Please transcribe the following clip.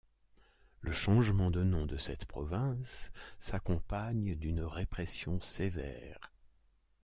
Le changement de nom de cette province s'accompagne d'une répression sévère.